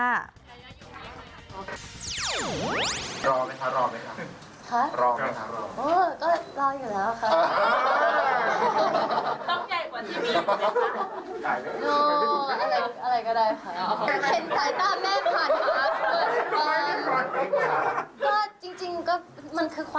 รอไหมคะรอไหมคะ